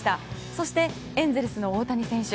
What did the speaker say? そして、エンゼルスの大谷選手。